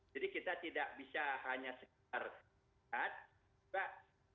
jadi kita tidak bisa hanya sekedar lihat